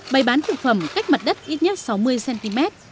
bày bán thực phẩm cách mặt đất ít nhất sáu mươi cm